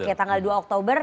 oke tanggal dua oktober